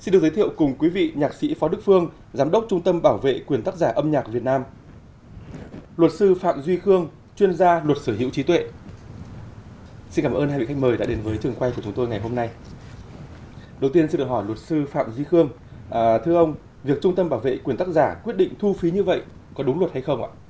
đầu tiên xin được hỏi luật sư phạm duy khương thưa ông việc trung tâm bảo vệ quyền tác giả quyết định thu phí như vậy có đúng luật hay không ạ